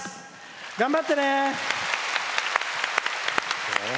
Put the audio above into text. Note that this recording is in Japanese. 頑張ってね！